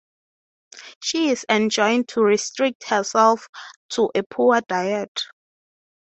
She is enjoined to restrict herself to a poor diet.